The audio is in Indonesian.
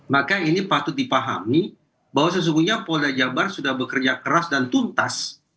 maka ini patut dipahami bahwa sesungguhnya polda jabar sudah bekerja keras dan tuntas